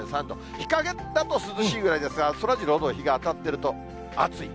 日陰だと涼しいぐらいですが、そらジローのように日が当たってると暑い。